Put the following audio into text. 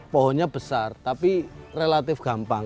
pohonnya besar tapi relatif gampang